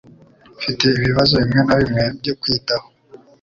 Mfite ibibazo bimwe na bimwe byo kwitaho